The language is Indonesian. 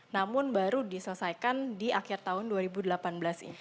namun baru diselesaikan di akhir tahun dua ribu delapan belas ini